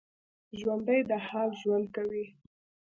ژوندي د حال ژوند کوي